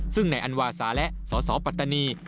ซึ่งในอันวาสาและศปตนี